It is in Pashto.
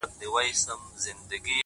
o ډك د ميو جام مي د زړه ور مــات كړ،